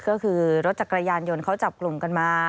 ก็คือลดจักรยานยนต์กลุ่มกันมา